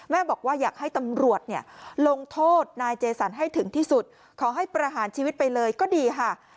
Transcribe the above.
บอกว่าอยากให้ตำรวจเนี่ยลงโทษนายเจสันให้ถึงที่สุดขอให้ประหารชีวิตไปเลยก็ดีค่ะ